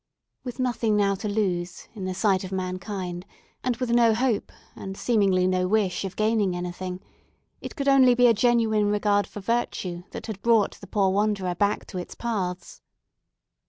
With nothing now to lose, in the sight of mankind, and with no hope, and seemingly no wish, of gaining anything, it could only be a genuine regard for virtue that had brought back the poor wanderer to its paths.